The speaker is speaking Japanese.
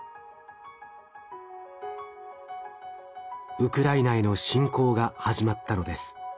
ウクライナへの侵攻が始まったのです。